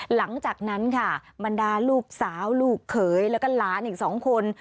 หลังจากนั้นค่ะบรรดาลูกสาวลูกเขยแล้วก็หลานอีก๒คน